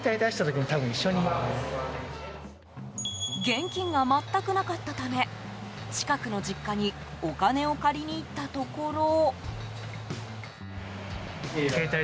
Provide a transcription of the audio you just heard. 現金が全くなかったため近くの実家にお金を借りに行ったところ。